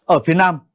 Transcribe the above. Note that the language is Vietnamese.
ở phía nam